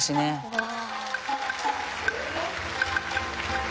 うわ。